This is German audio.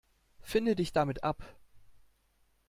Finde dich damit ab.